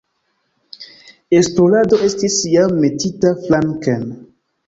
Esplorado estis jam metita flanken.